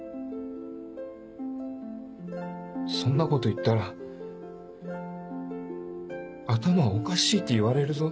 そんなこと言ったら頭おかしいって言われるぞ。